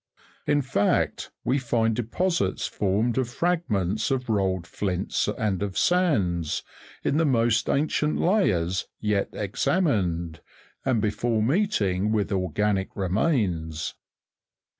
In fact, we find deposit? formed of fragments, of rolled flints and of sands, in the most ancient layers yet exa mined, and before meeting with organic remains.